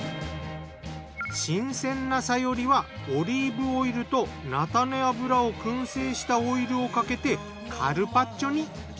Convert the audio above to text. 新鮮なサヨリはオリーブオイルと菜種油をくん製したオイルをかけてカルパッチョに。